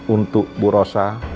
untuk bu rosa